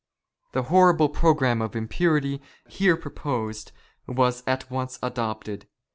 The horrible programme of impurity here proposed was at once adopted.